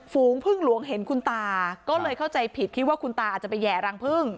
ฝูงพึ่งหลวงเห็นคุณตาก็เลยเข้าใจผิดคิดว่าคุณตาอาจจะไปแห่รังพึ่ง